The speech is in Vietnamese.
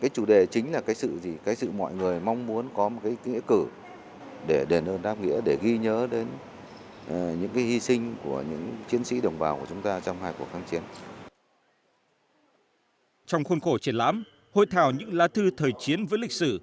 trong khuôn khổ triển lãm hội thảo những lá thư thời chiến với lịch sử